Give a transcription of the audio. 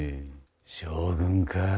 将軍か。